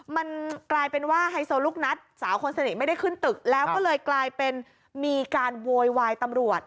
มันกลายเป็นว่าไฮโซลูกนัดสาวคนสนิทไม่ได้ขึ้นตึกแล้วก็เลยกลายเป็นมีการโวยวายตำรวจ